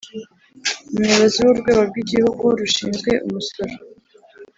Umuyobozi w Urwego rw Igihugu rushinzwe umusoro